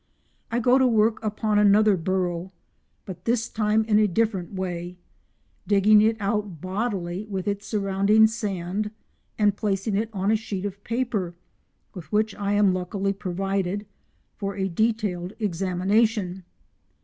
I go to work upon another burrow, but this time in a different way, digging it out bodily with its surrounding sand, and placing it on a sheet of paper, with which I am luckily provided, for a detailed examination.